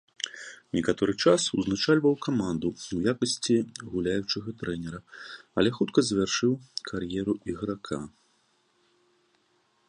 Некаторы час узначальваў каманду ў якасці гуляючага трэнера, але хутка завяршыў кар'еру іграка.